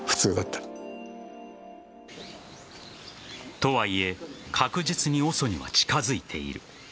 とはいえ、確実にＯＳＯには近づいている。